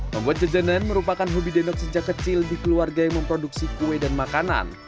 membuat jajanan merupakan hobi dendok sejak kecil di keluarga yang memproduksi kue dan makanan